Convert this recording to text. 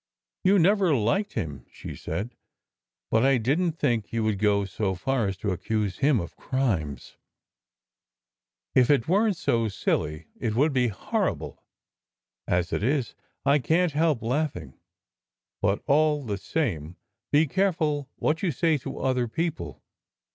"You never liked him," she said, "but I didn t think you would go so far as to accuse him of crimes. If it weren t so silly, it would be horrible. As it is, I can t help laughing ; but all the same, be careful what you say to other people.